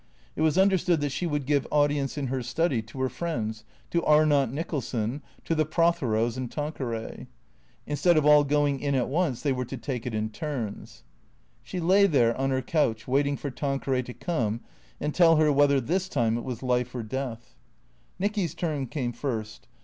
It was understood that she would give audience in her study to her friends, to Arnott Nicholson, to the Protheros and Tanque ray. Instead of all going in at once, they were to take it in turns. She lay there on her couch, waiting for Tanqueray to come and tell her whether this time it was life or death. Nicky's turn came first.